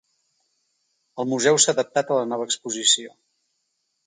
El museu s’ha adaptat a la nova exposició.